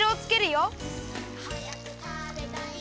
「はやくたべたい！